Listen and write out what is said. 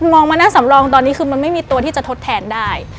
มองมาหน้าสำรองตอนนี้คือมันไม่มีตัวที่จะทดแทนได้